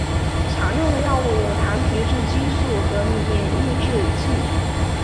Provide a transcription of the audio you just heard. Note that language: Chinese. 常用的药物有糖皮质激素和免疫抑制剂。